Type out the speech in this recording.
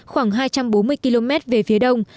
khoảng hai trăm bốn mươi km về phía đông